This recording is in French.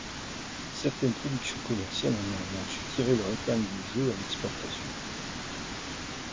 Certaines productions commerciales ont néanmoins su tirer leur épingle du jeu à l’exportation.